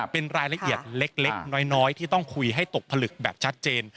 เป็นรายละเอียดเล็กน้อยที่ต้องคุยให้ตกผลึกแบบชัดเจน